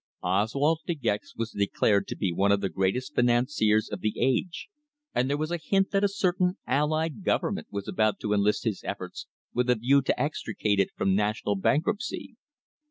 Oswald De Gex was declared to be one of the greatest financiers of the age, and there was a hint that a certain Allied Government was about to enlist his efforts with a view to extricate it from national bankruptcy.